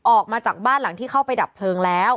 ออกมาจากบ้านหลังที่เข้าไปดับเพลิงแล้ว